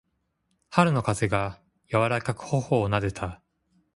春の風が、やわらかく頬をなでた。